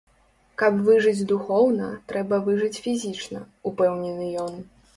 Каб выжыць духоўна, трэба выжыць фізічна, упэўнены ён.